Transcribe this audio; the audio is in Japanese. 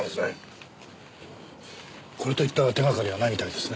これといった手がかりはないみたいですね。